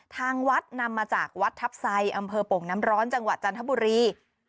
ทางวัดนำมาจากวัดทัพไซอำเภอโป่งน้ำร้อนจังหวัดจันทบุรี